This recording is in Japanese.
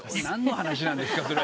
何の話なんですか？